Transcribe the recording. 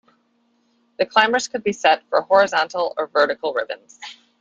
The climbers could be set for horizontal or vertical ribbons.